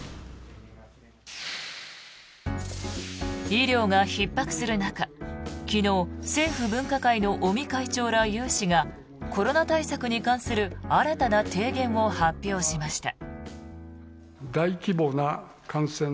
医療がひっ迫する中、昨日政府分科会の尾身会長ら有志がコロナ対策に関する新たな提言を発表しました。